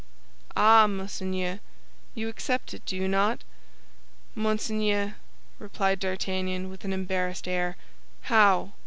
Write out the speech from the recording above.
"Ah, monseigneur." "You accept it, do you not?" "Monseigneur," replied D'Artagnan, with an embarrassed air. "How?